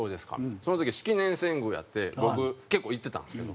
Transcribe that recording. その時式年遷宮やって僕結構行ってたんですけど。